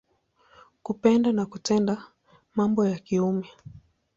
Kupenda na kutenda mambo ya kiume.